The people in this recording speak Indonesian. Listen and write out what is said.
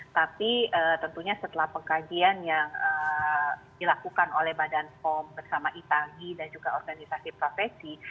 tapi tentunya setelah pengkajian yang dilakukan oleh badan pom bersama itagi dan juga organisasi profesi